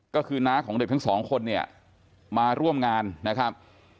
ก็คือน้าของเด็กทั้งสองคนเนี่ยมาร่วมงานนะครับ